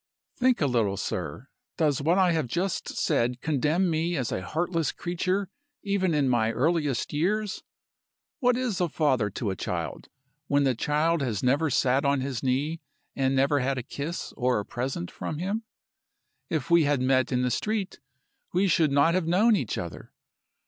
"Think a little, sir. Does what I have just said condemn me as a heartless creature, even in my earliest years? What is a father to a child when the child has never sat on his knee, and never had a kiss or a present from him? If we had met in the street, we should not have known each other.